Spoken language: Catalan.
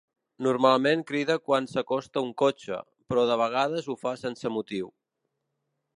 Normalment crida quan s’acosta un cotxe, però de vegades ho fa sense motiu.